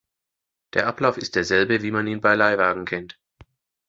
Der Ablauf ist derselbe wie man ihn bei Leihwagen kennt.